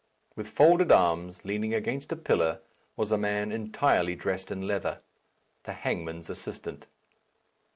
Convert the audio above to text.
With folded arms, leaning against a pillar, was a man entirely dressed in leather, the hangman's assistant.